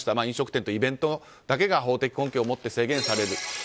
飲食店とイベントだけが法的根拠を持って制限される。